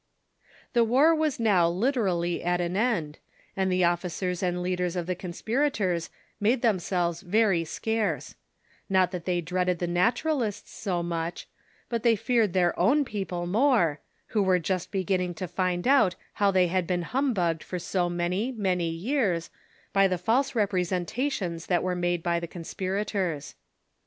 The war was now literally at an end, and the officers and leaders of the conspirators made themselves very scarce ; not that they dreaded the Naturalists so much, but they feared their own people more, who were just beginning to find out how they had been humbugged for so many, many years, by the false representations that were made by the conspirators.